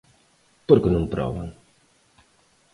¿Por que non proban?